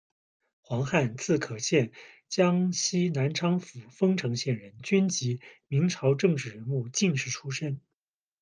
黄翰，字可宪，江西南昌府丰城县人，军籍，明朝政治人物、进士出身。